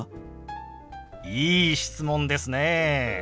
いい質問ですね。